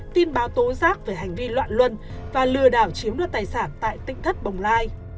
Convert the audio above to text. tin báo tố giác về hành vi loạn luân và lừa đảo chiếm đoạt tài sản tại tỉnh thất bồng lai